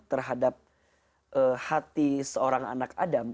terhadap hati seorang anak adam